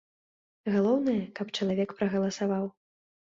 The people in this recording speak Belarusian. Галоўнае, каб чалавек прагаласаваў.